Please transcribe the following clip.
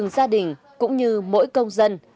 gia đình cũng như mỗi công dân